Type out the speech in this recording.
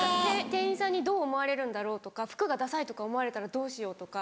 店員さんにどう思われるんだろうとか服がダサいとか思われたらどうしようとか。